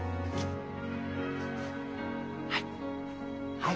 はい。